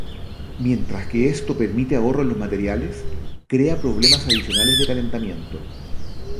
Mientras que esto permite ahorro en los materiales, crea problemas adicionales de calentamiento.